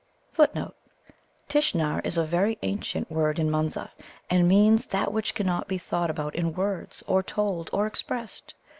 Tishnar is a very ancient word in Munza, and means that which cannot be thought about in words, or told, or expressed.